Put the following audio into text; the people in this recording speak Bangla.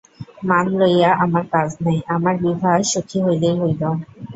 মান লইয়া আমার কাজ নাই, আমার বিভা সুখী হইলেই হইল।